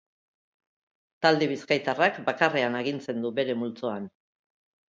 Talde bizkaitarrak bakarrean agintzen du bere multzoan.